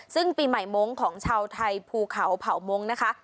ซึ่งปีใหม่มงค์ของชาวไทยภูเขาเผามงค์นะคะ